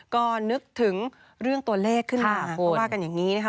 ก็นึกถึงเรื่องตัวเลขขึ้นมาเขาว่ากันอย่างนี้นะคะ